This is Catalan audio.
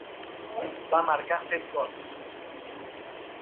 Va marcar set gols.